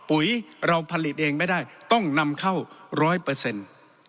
ปุ๋ยเราผลิตเองไม่ได้ต้องนำเข้าร้อยเปอร์เซ็นต์